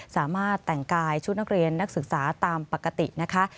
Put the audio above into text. สามารถแต่งกายชุดนักเรียนนักศึกษาตามปกตินะคะ